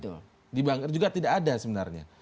itu juga tidak ada sebenarnya